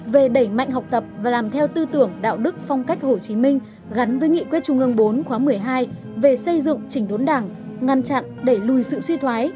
về đẩy mạnh học tập và làm theo tư tưởng đạo đức phong cách hồ chí minh gắn với nghị quyết trung ương bốn khóa một mươi hai về xây dựng chỉnh đốn đảng ngăn chặn đẩy lùi sự suy thoái